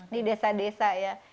di desa desa ya